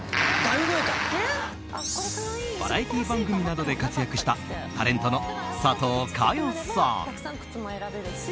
バラエティー番組などで活躍したタレントの佐藤かよさん。